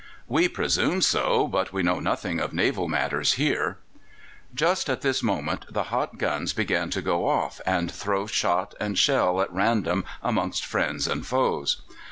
"We presume so, but we know nothing of naval matters here." Just at this moment the hot guns began to go off and throw shot and shell at random amongst friends and foes.